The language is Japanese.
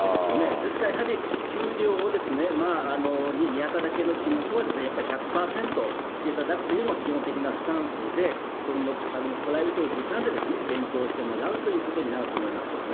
だからやはり、給料に見合っただけの仕事を１００％していただくというのは、基本的なスタンスで、あとはプライベートの時間で、勉強してもらうということになると思いますよね。